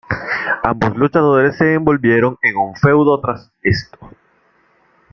Ambos luchadores se envolvieron en un feudo tras esto.